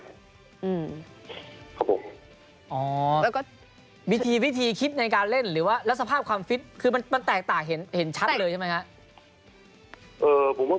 แล้วก็วิธีวิธีคิดในการเล่นหรือว่าแล้วสภาพความฟิตคือมันแตกต่างเห็นชัดเลยใช่ไหมครับ